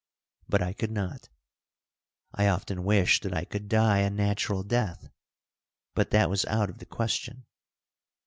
But I could not. I often wished that I could die a natural death, but that was out of the question.